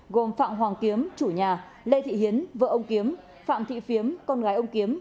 gồm phạm hoàng kiếm chủ nhà lê thị hiến vợ ông kiếm phạm thị phiếm con gái ông kiếm